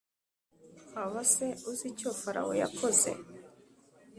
Waba se uzi icyo Farawo yakoze